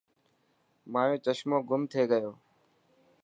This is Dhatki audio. مايو چشمو گم ٿي گيو.